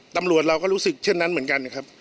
ตำรวจเราก็รู้สึกเช่นนั้นเหมือนกันนะครับ